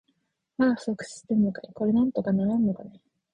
まだ不足してんのかい。これなんとかならんのかね。